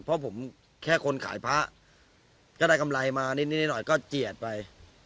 เพราะผมแค่คนขายพระก็ได้กำไรมานิดหน่อยก็เจียดไป